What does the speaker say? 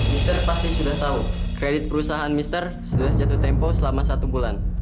mr pasti sudah tahu kredit perusahaan mr sudah jatuh tempo selama satu bulan